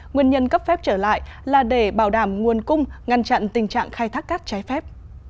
nguyên nhân cấp phép trở lại là để bảo đảm nguồn cung ngăn chặn tình trạng khai thác cát trái phép